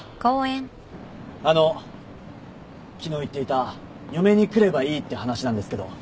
あの昨日言っていた「嫁に来ればいい」って話なんですけど。